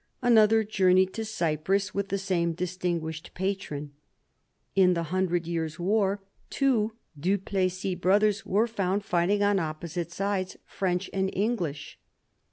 Another journeyed to Cyprus with the same distinguished patron. In the Hundred Years War, two Du Plessis brothers were found fighting on opposite sides, French and English.